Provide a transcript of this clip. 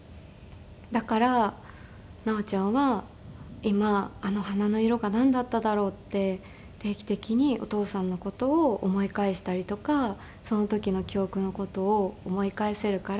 「だから奈緒ちゃんは今あの花の色がなんだっただろうって定期的にお父さんの事を思い返したりとかその時の記憶の事を思い返せるから」。